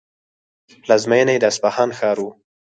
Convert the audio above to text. پلازمینه یې د اصفهان ښار و.